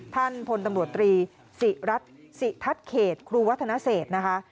ท่านพลตำรวจตรีศรีทัศเขตครูวัฒนาเศสนะคะ